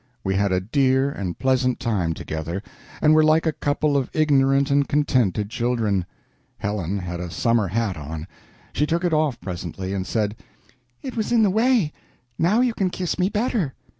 We had a dear and pleasant time together, and were like a couple of ignorant and contented children. Helen had a summer hat on. She took it off presently and said, "It was in the way; now you can kiss me better."